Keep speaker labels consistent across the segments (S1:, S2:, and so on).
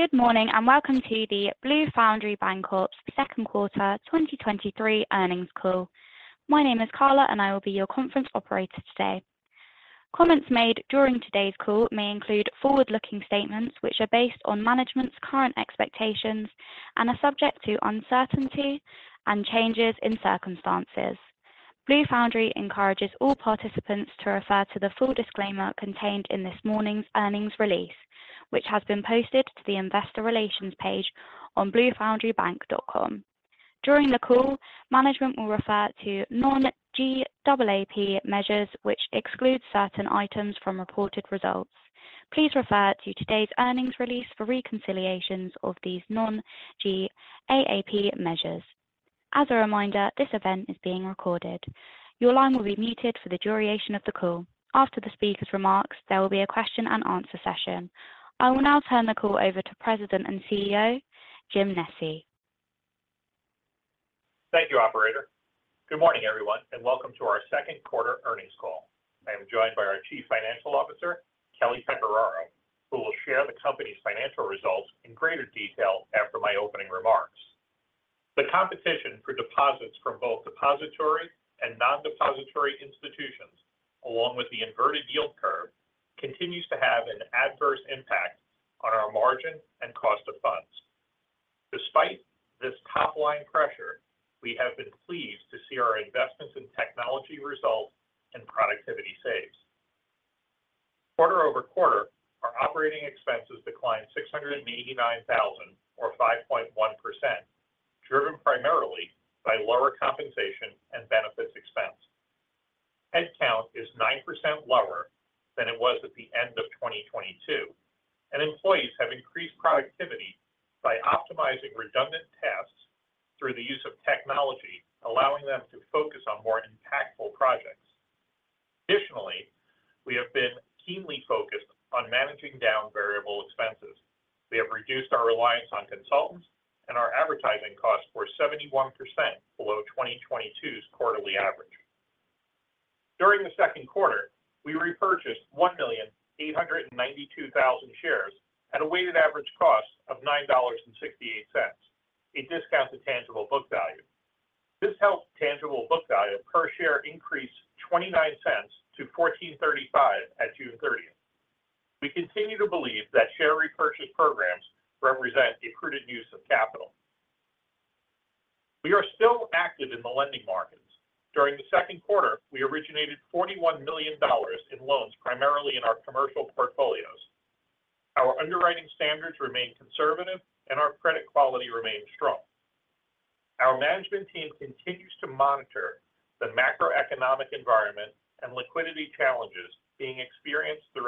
S1: Good morning, and welcome to the Blue Foundry Bancorp Second Quarter 2023 Earnings Call. My name is Carla, and I will be your conference operator today. Comments made during today's call may include forward-looking statements, which are based on management's current expectations and are subject to uncertainty and changes in circumstances. Blue Foundry encourages all participants to refer to the full disclaimer contained in this morning's earnings release, which has been posted to the Investor Relations page on bluefoundrybank.com. During the call, management will refer to non-GAAP measures, which exclude certain items from reported results. Please refer to today's earnings release for reconciliations of these non-GAAP measures. As a reminder, this event is being recorded. Your line will be muted for the duration of the call. After the speaker's remarks, there will be a question and answer session. I will now turn the call over to President and CEO, Jim Nesci.
S2: Thank you, operator. Good morning, everyone, and welcome to our Second Quarter Earnings Call. I am joined by our Chief Financial Officer, Kelly Pecoraro, who will share the company's financial results in greater detail after my opening remarks. The competition for deposits from both depository and non-depository institutions, along with the inverted yield curve, continues to have an adverse impact on our margin and cost of funds. Despite this top-line pressure, we have been pleased to see our investments in technology result in productivity saves. quarter-over-quarter, our operating expenses declined $689,000 or 5.1%, driven primarily by lower compensation and benefits expense. Headcount is 9% lower than it was at the end of 2022, and employees have increased productivity by optimizing redundant tasks through the use of technology, allowing them to focus on more impactful projects. We have been keenly focused on managing down variable expenses. We have reduced our reliance on consultants, our advertising costs were 71% below 2022's quarterly average. During the second quarter, we repurchased 1,892,000 shares at a weighted average cost of $9.68. It discounts the tangible book value. This helped tangible book value per share increase $0.29 to $14.35 at June 30th. We continue to believe that share repurchase programs represent the prudent use of capital. We are still active in the lending markets. During the second quarter, we originated $41 million in loans, primarily in our commercial portfolios. Our underwriting standards remain conservative and our credit quality remains strong. Our management team continues to monitor the macroeconomic environment and liquidity challenges being experienced throughout the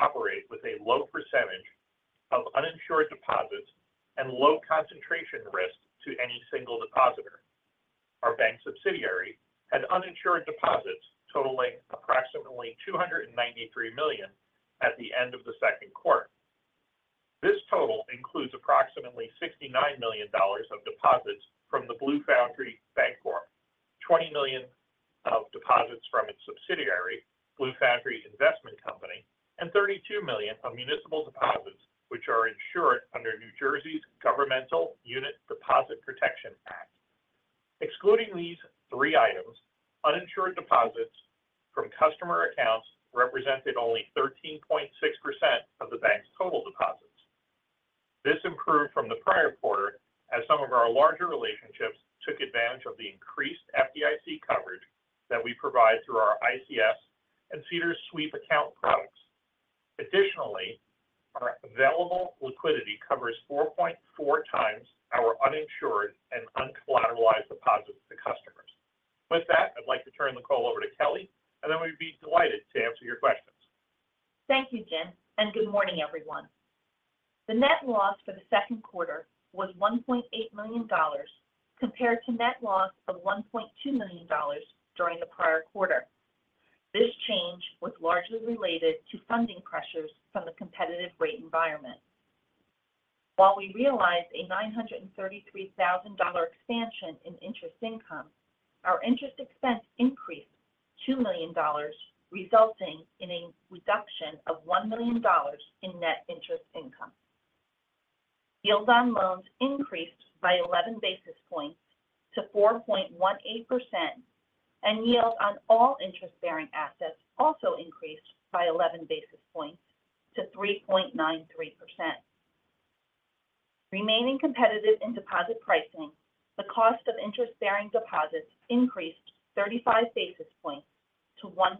S2: banking industry. We remain steadfast in maintaining strong capital and liquidity positions. Both our bank and holding company remain more than well capitalized. At the end of the second quarter, we had over $395 million in untapped borrowing capacity. Our available for sale securities portfolio, which represents 90% of the debt securities we hold, provided an additional $301 million of liquidity. Blue Foundry continues to operate with a low percentage of uninsured deposits and low concentration risk to any single depositor. Our bank subsidiary had uninsured deposits totaling approximately $293 million at the end of the second quarter. This total includes approximately $69 million of deposits from the Blue Foundry Bancorp, $20 million of deposits from its subsidiary, Blue Foundry Investment Company, and $32 million of municipal deposits, which are insured under New Jersey's Governmental Unit Deposit Protection Act. Excluding these three items, uninsured deposits from customer accounts represented only 13.6% of the bank's total deposits. This improved from the prior quarter, as some of our larger relationships took advantage of the increased FDIC coverage that we provide through our ICS and CDARS Sweep account products. Additionally, our available liquidity covers 4.4x our uninsured and uncollateralized deposits to customers. With that, I'd like to turn the call over to Kelly, and then we'd be delighted to answer your questions.
S3: Thank you, Jim. Good morning, everyone. The net loss for the second quarter was $1.8 million, compared to net loss of $1.2 million during the prior quarter. This change was largely related to funding pressures from the competitive rate environment. While we realized a $933 thousand expansion in interest income, our interest expense increased $2 million, resulting in a reduction of $1 million in net interest income. Yields on loans increased by 11 basis points to 4.18%. Yields on all interest-bearing assets also increased by 11 basis points to 3.93%. Remaining competitive in deposit pricing, the cost of interest-bearing deposits increased 35 basis points to 1.73%.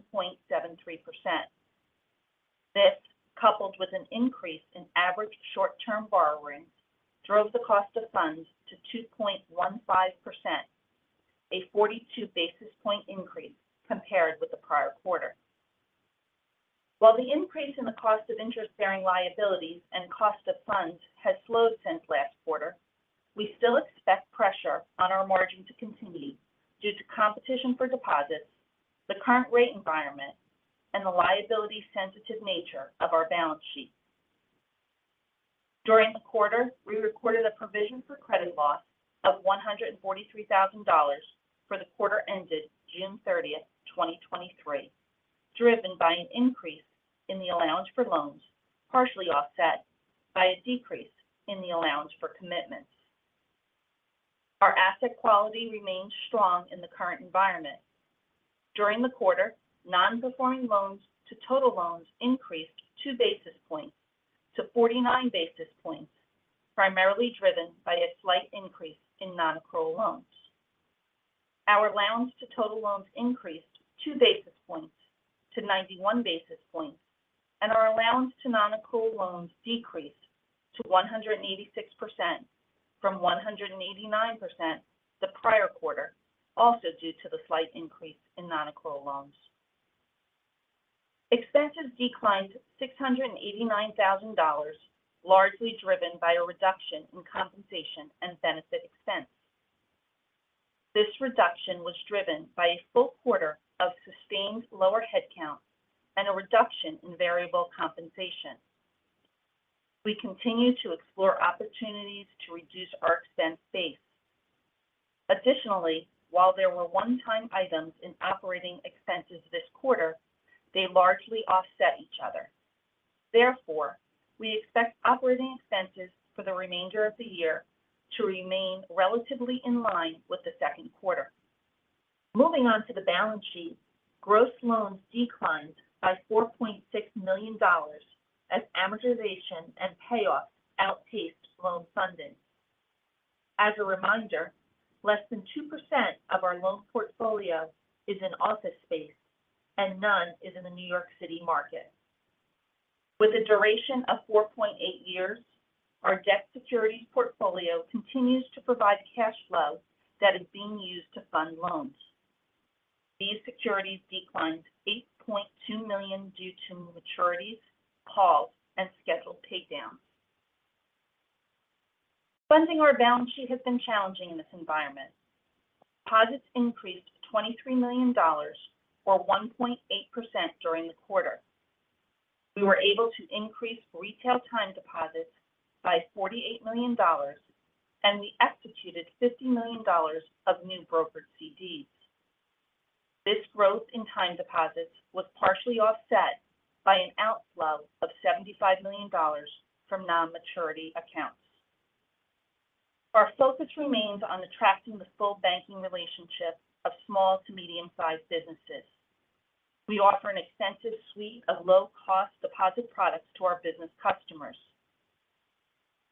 S3: This, coupled with an increase in average short-term borrowing, drove the cost of funds to 2.15%, a 42 basis point increase compared with the prior quarter. The increase in the cost of interest-bearing liabilities and cost of funds has slowed since last quarter, we still expect pressure on our margin to continue due to competition for deposits, the current rate environment, and the liability-sensitive nature of our balance sheet. During the quarter, we recorded a provision for credit loss of $143,000 for the quarter ended June 30th, 2023, driven by an increase in the allowance for loans, partially offset by a decrease in the allowance for commitments. Our asset quality remains strong in the current environment. During the quarter, non-performing loans to total loans increased 2 basis points to 49 basis points, primarily driven by a slight increase in nonaccrual loans. Our allowance to total loans increased 2 basis points to 91 basis points, and our allowance to nonaccrual loans decreased to 186% from 189% the prior quarter, also due to the slight increase in nonaccrual loans. Expenses declined $689,000, largely driven by a reduction in compensation and benefit expense. This reduction was driven by a full quarter of sustained lower headcount and a reduction in variable compensation. We continue to explore opportunities to reduce our expense base. Additionally, while there were one-time items in operating expenses this quarter, they largely offset each other. We expect operating expenses for the remainder of the year to remain relatively in line with the second quarter. Moving on to the balance sheet, gross loans declined by $4.6 million as amortization and payoffs outpaced loan funding. As a reminder, less than 2% of our loan portfolio is in office space, and none is in the New York City market. With a duration of 4.8 years, our debt securities portfolio continues to provide cash flow that is being used to fund loans. These securities declined $8.2 million due to maturities, calls, and scheduled paydowns. Funding our balance sheet has been challenging in this environment. Deposits increased $23 million, or 1.8% during the quarter. We were able to increase retail time deposits by $48 million, and we executed $50 million of new brokered CDs. This growth in time deposits was partially offset by an outflow of $75 million from non-maturity accounts. Our focus remains on attracting the full banking relationship of small to medium-sized businesses. We offer an extensive suite of low-cost deposit products to our business customers.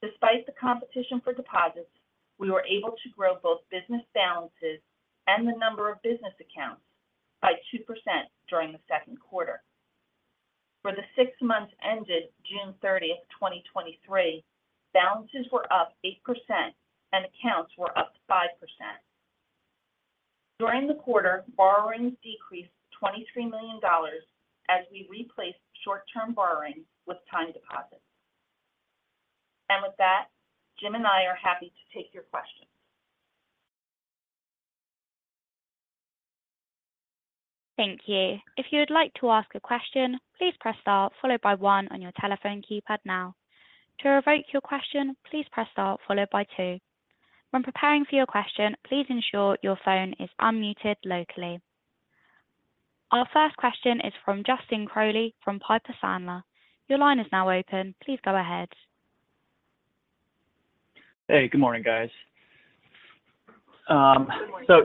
S3: Despite the competition for deposits, we were able to grow both business balances and the number of business accounts by 2% during the second quarter. For the six months ended June 30th, 2023, balances were up 8% and accounts were up 5%. During the quarter, borrowings decreased $23 million as we replaced short-term borrowings with time deposits. With that, Jim and I are happy to take your questions.
S1: Thank you. If you would like to ask a question, please press star followed by one on your telephone keypad now. To revoke your question, please press star followed by two. When preparing for your question, please ensure your phone is unmuted locally. Our first question is from Justin Crowley from Piper Sandler. Your line is now open. Please go ahead.
S4: Hey, good morning, guys.
S3: Good morning.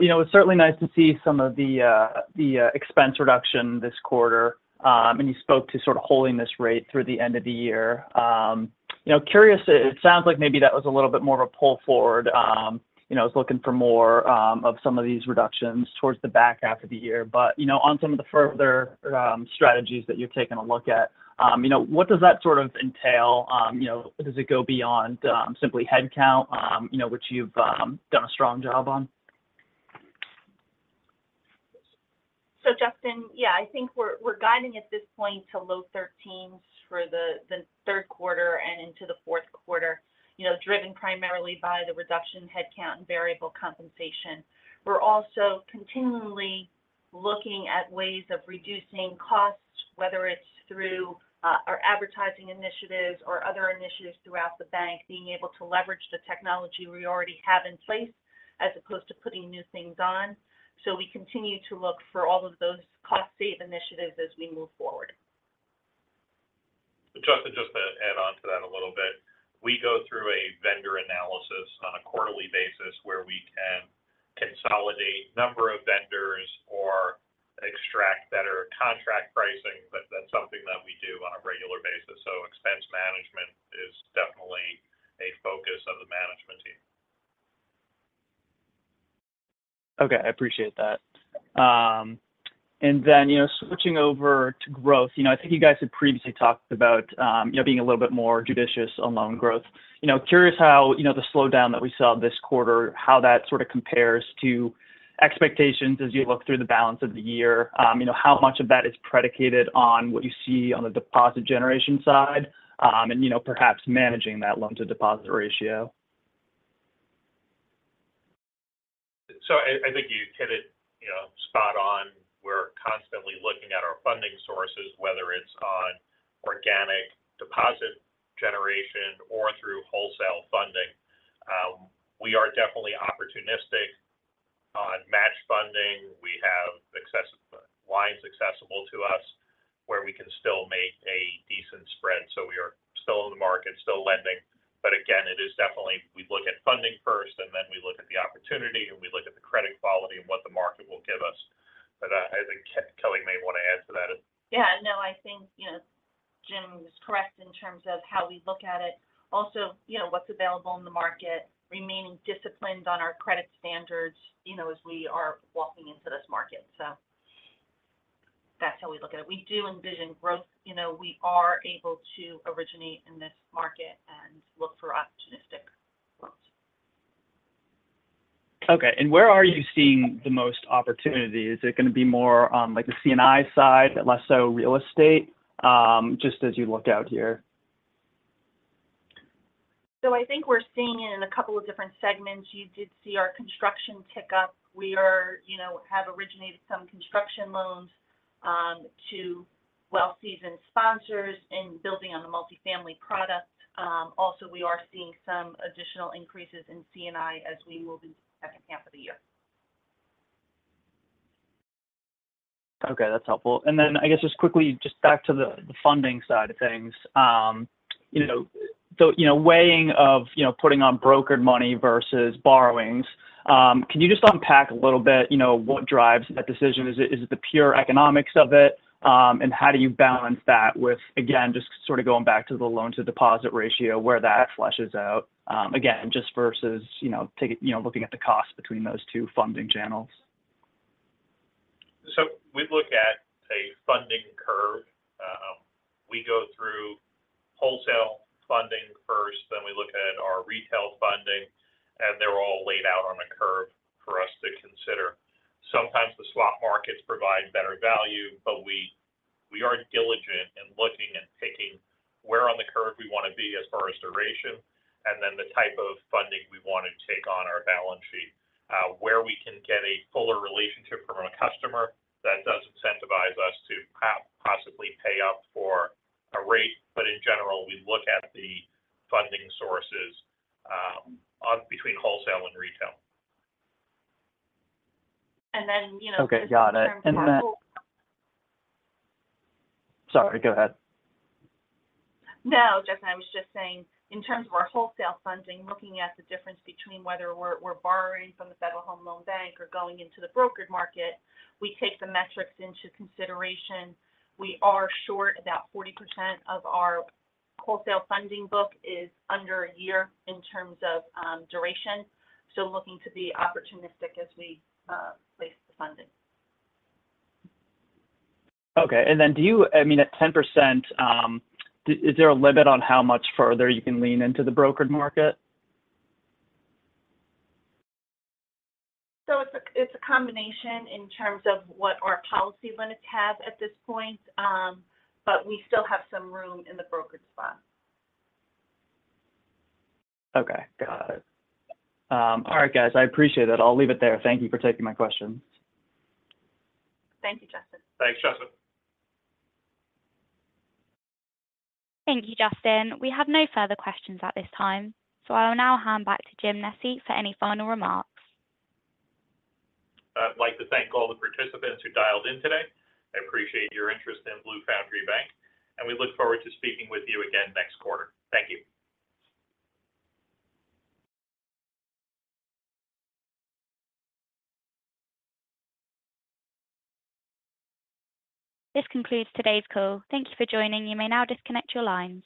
S4: You know, it's certainly nice to see some of the expense reduction this quarter. You spoke to sort of holding this rate through the end of the year. You know, curious, it sounds like maybe that was a little bit more of a pull forward. You know, I was looking for more of some of these reductions towards the back half of the year. You know, on some of the further strategies that you're taking a look at, you know, what does that sort of entail? You know, does it go beyond simply headcount, you know, which you've done a strong job on?
S3: Justin, yeah, I think we're guiding at this point to low thirteens for the third quarter and into the fourth quarter. You know, driven primarily by the reduction in headcount and variable compensation. We're also continually looking at ways of reducing costs, whether it's through our advertising initiatives or other initiatives throughout the bank, being able to leverage the technology we already have in place, as opposed to putting new things on. We continue to look for all of those cost-saving initiatives as we move forward.
S2: Justin, just to add on to that a little bit, we go through a vendor analysis on a quarterly basis where we can consolidate number of vendors or extract better contract pricing. That's something that we do on a regular basis. Expense management is definitely a focus of the management team.
S4: Okay, I appreciate that. You know, switching over to growth, you know, I think you guys had previously talked about, you know, being a little bit more judicious on loan growth. You know, curious how, you know, the slowdown that we saw this quarter, how that sort of compares to expectations as you look through the balance of the year. You know, how much of that is predicated on what you see on the deposit generation side, and, you know, perhaps managing that loan-to-deposit ratio?
S2: I think you hit it, you know, spot on. We're constantly looking at our funding sources, whether it's on organic deposit generation or through wholesale funding. We are definitely opportunistic on match funding. We have lines accessible to us where we can still make a decent spread. We are still in the market, still lending, but again, it is definitely we look at funding first, and then we look at the opportunity, and we look at the credit quality and what the market will give us. I think Kelly may want to add to that.
S3: Yeah. No, I think, you know, Jim is correct in terms of how we look at it. Also, you know, what's available in the market, remaining disciplined on our credit standards, you know, as we are walking into this market. That's how we look at it. We do envision growth. You know, we are able to originate in this market and look for opportunistic loans.
S4: Where are you seeing the most opportunity? Is it gonna be more, like the C&I side, but less so real estate, just as you look out here?
S3: I think we're seeing it in a couple of different segments. You did see our construction tick up. We, you know, have originated some construction loans to well-seasoned sponsors and building on the multifamily product. Also, we are seeing some additional increases in C&I as we move into the second half of the year.
S4: Okay, that's helpful. I guess, just quickly, just back to the funding side of things. You know, weighing of, you know, putting on brokered money versus borrowings, can you just unpack a little bit, you know, what drives that decision? Is it the pure economics of it? How do you balance that with, again, just sort of going back to the loan-to-deposit ratio, where that fleshes out, again, just versus, you know, looking at the cost between those two funding channels?
S2: We look at a funding curve. We go through wholesale funding first, then we look at our retail funding, and they're all laid out on a curve for us to consider. Sometimes, the swap markets provide better value, but we are diligent in looking and picking where on the curve we want to be as far as duration, and then the type of funding we want to take on our balance sheet. Where we can get a fuller relationship from a customer, that does incentivize us to possibly pay up for a rate. In general, we look at the funding sources, between wholesale and retail.
S3: you know-
S4: Okay, got it.
S3: In terms of wholesale-
S4: Sorry, go ahead.
S3: No, Justin, I was just saying in terms of our wholesale funding, looking at the difference between whether we're borrowing from the Federal Home Loan Bank or going into the brokered market, we take the metrics into consideration. We are short. About 40% of our wholesale funding book is under a year in terms of duration, looking to be opportunistic as we place the funding.
S4: Okay, I mean, at 10%, is there a limit on how much further you can lean into the brokered market?
S3: It's a combination in terms of what our policy limits have at this point, but we still have some room in the brokered spot.
S4: Okay, got it. All right, guys, I appreciate it. I'll leave it there. Thank you for taking my questions.
S3: Thank you, Justin.
S2: Thanks, Justin.
S1: Thank you, Justin. We have no further questions at this time, so I will now hand back to Jim Nesci for any final remarks.
S2: I'd like to thank all the participants who dialed in today. I appreciate your interest in Blue Foundry Bank. We look forward to speaking with you again next quarter. Thank you.
S1: This concludes today's call. Thank you for joining. You may now disconnect your lines.